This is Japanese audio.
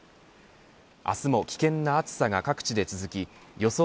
明日も危険な暑さが各地で続き予想